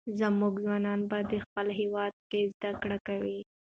زموږ ځوانان به په خپل هېواد کې زده کړې کوي.